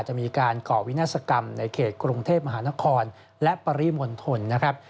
จะมีการก่อวินาศกรรมในเขตกรุงเทพมหานครและปริมณฑลนะครับ